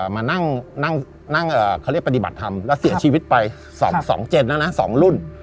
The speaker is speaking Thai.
มานั่งนั่งนั่งเอ่อเขาเรียกปฏิบัติธรรมแล้วเสียชีวิตไปสองสองเจนแล้วนะสองรุ่น